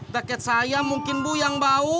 rakyat saya mungkin bu yang bau